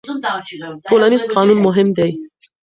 ټولنيز قانون مهم دی.